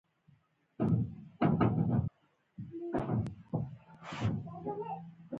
د میرمنو کار او تعلیم مهم دی ځکه چې سولې جوړولو مرسته کوي.